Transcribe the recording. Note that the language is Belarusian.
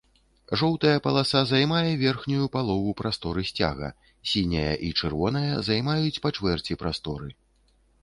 Жоўтая паласа займае верхнюю палову прасторы сцяга, сіняя і чырвоная займаюць па чвэрці прасторы.